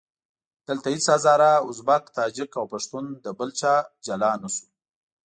دلته هېڅ هزاره، ازبک، تاجک او پښتون له بل چا جلا نه شو.